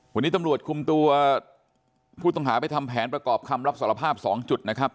วันนี้ตำรวจคุมตัวผู้ต้องหาไปทำแผนประกอบคำรับสารภาพ๒จุดนะครับ